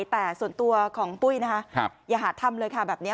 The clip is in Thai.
แต่ส่วนตัวของปุ๊ยอย่าหาดทำแบบนี้